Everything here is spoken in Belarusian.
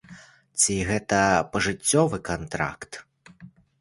Ці гэта пажыццёвы кантракт?